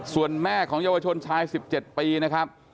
ส่วนแม่ของเยาวชนชาย๑๗ปีนะครับ